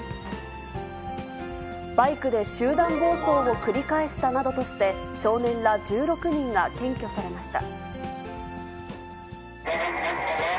バイクで集団暴走を繰り返したなどとして、少年ら１６人が検挙されました。